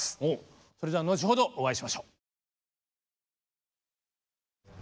それでは後ほどお会いしましょう。